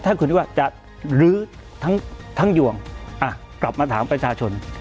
ถ้าคุณคิดว่าจะลื้อทั้งยวงกลับมาถามประชาชน